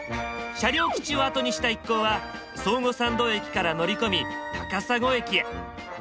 車両基地を後にした一行は宗吾参道駅から乗り込み高砂駅へ。